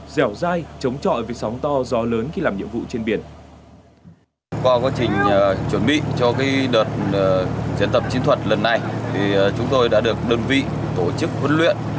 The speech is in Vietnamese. dẻo dai chống trọi với sóng to gió lớn khi làm nhiệm vụ trên biển